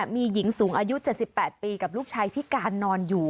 มีหญิงสูงอายุ๗๘ปีกับลูกชายพิการนอนอยู่